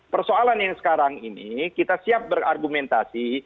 persoalan yang sekarang ini kita siap berargumentasi